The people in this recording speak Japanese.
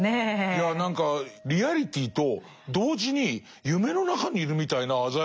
いや何かリアリティーと同時に夢の中にいるみたいな鮮やかさと。